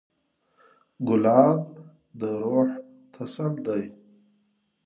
ګلاب د روح تسل دی.